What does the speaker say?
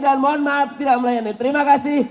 dan mohon maaf tidak melayani terima kasih